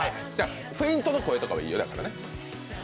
フェイントの声とかはいいですからね。